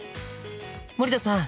森田さん